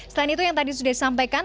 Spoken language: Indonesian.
selain itu yang tadi sudah disampaikan